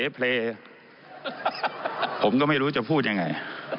ผมก็ไม่รู้จะพูดยังไง